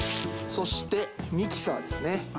そしてミキサーですね